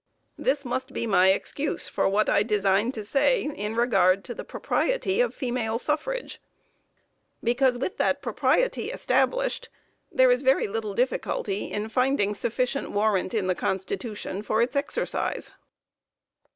This must be my excuse for what I design to say in regard to the propriety of female suffrage, because with that propriety established there is very little difficulty in finding sufficient warrant in the constitution for its exercise.